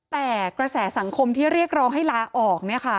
แต่กระแสสังคมที่เรียกร้องให้ลาออก